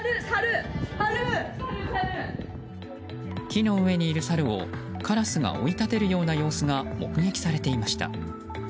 木の上にいるサルを、カラスが追い立てるような様子が目撃されていました。